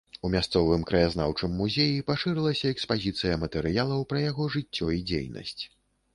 У мясцовым краязнаўчым музеі пашырылася экспазіцыя матэрыялаў пра яго жыццё і дзейнасць.